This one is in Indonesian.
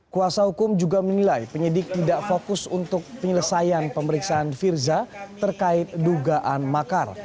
kuasa hukum juga menilai penyidik tidak fokus untuk penyelesaian pemeriksaan firza terkait dugaan makar